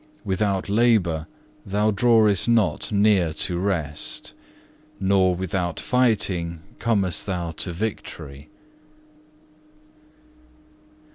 Without labour thou drawest not near to rest, nor without fighting comest thou to victory."